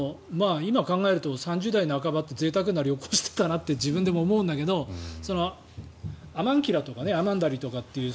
今考えると３０代半ばってぜいたくな旅行していたなって自分でも思うんだけどアマンキラとかアマンダリっていう